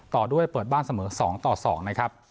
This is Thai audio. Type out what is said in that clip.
ต่อด้วยเปิดบ้านเสมอ๒ต่อ๒นะครับ